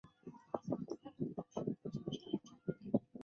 安徽嗜眼吸虫为嗜眼科嗜眼属的动物。